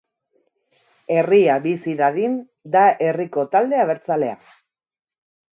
Herria Bizi Dadin da herriko talde abertzalea.